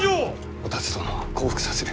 お田鶴殿は降伏させる。